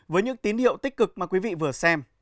với những tín hiệu tích cực mà quý vị vừa xem